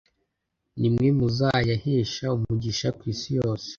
Nimwe muzayahesha umugisha ku isi yose